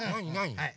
はい。